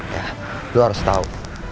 ya lu harus tau